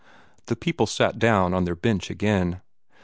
The people sat down on their bench again.